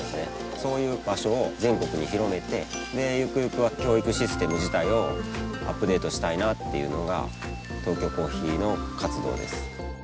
そういう場所を全国に広めてでゆくゆくは教育システム自体をアップデートしたいなあっていうのがトーキョーコーヒーの活動です